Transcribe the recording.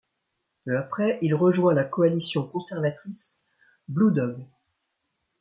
Peu après, il rejoint la coalition conservatrice Blue Dog.